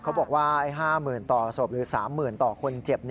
เขาบอกว่า๕หมื่นต่อสวบหรือ๓หมื่นต่อคนเจ็บ